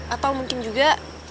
atau mungkin juga